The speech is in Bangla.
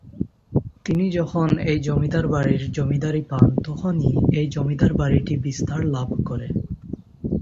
তিনি যখন এই জমিদার বাড়ির জমিদারি পান তখনই এই জমিদার বাড়িটি বিস্তার লাভ করে।